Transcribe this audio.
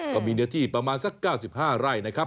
ก็มีเนื้อที่ประมาณสัก๙๕ไร่นะครับ